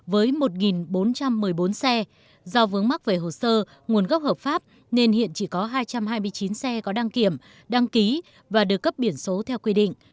với một bốn trăm một mươi bốn xe do vướng mắc về hồ sơ nguồn gốc hợp pháp nên hiện chỉ có hai trăm hai mươi chín xe có đăng kiểm đăng ký và được cấp biển số theo quy định